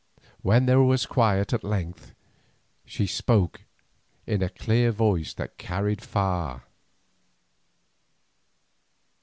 When there was quiet at length, she spoke in a clear voice that carried far.